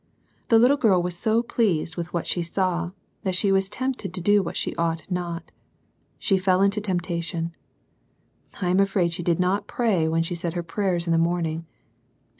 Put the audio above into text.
The little girl was so pleased with what she saw, that she was tempted to do what she ought not. She fell into temptation. I am afraid she did not pray when she said her pray ers in the morning.